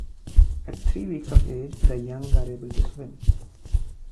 At three weeks of age, the young are able to swim.